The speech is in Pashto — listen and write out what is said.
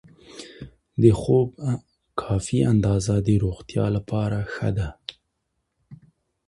د خوب کافي اندازه د روغتیا لپاره ښه ده.